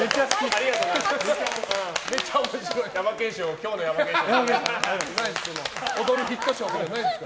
ありがとうございます。